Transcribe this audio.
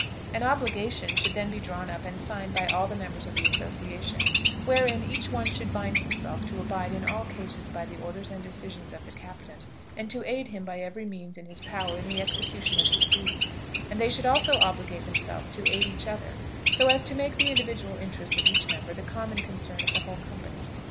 An obligation should then be drawn up and signed by all the members of the association, wherein each one should bind himself to abide in all cases by the orders and decisions of the captain, and to aid him by every means in his power in the execution of his duties; and they should also obligate themselves to aid each other, so as to make the individual interest of each member the common concern of the whole company.